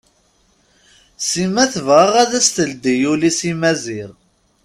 Sima tebɣa ad as-teldi ul-is i Maziɣ.